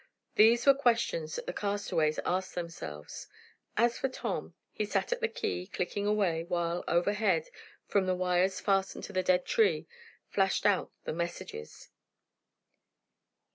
These were questions that the castaways asked themselves. As for Tom, he sat at the key, clicking away, while, overhead, from the wires fastened to the dead tree, flashed out the messages.